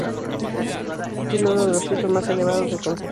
Tiene uno de los picos más elevado del concejo.